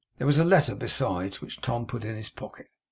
There was a letter besides, which Tom put in his pocket.